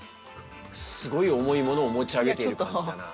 すごい重いものを持ち上げてるって感じだな。